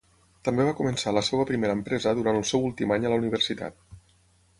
També va començar la seva primera empresa durant el seu últim any a la universitat.